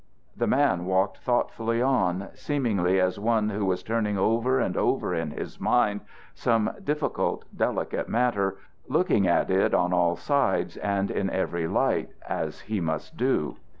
The man walked thoughtfully on, seemingly as one who was turning over and over in his mind some difficult, delicate matter, looking at it on all sides and in every light, as he must do.